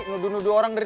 nudu nudu orang dari